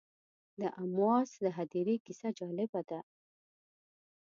د امواس د هدیرې کیسه جالبه ده.